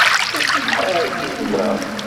Aten-a yid-neɣ.